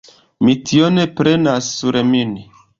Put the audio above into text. Mi tion prenas sur min.